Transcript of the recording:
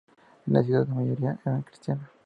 En las ciudades, la mayoría era cristiana.